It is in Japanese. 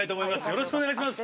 よろしくお願いします。